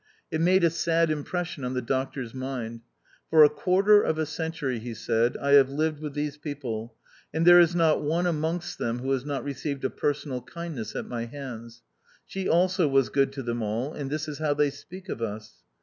It made a sad impression on the Doctor's mind. " For a quarter of a century," he said, " I have lived with these people, and there is not one amongst them who has not received a personal kindness at my hands. She also was good to them all, and this is how they speak of us.